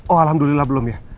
oh alhamdulillah belum ya